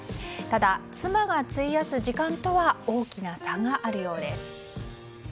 ただ妻が費やす時間とは大きな差があるようです。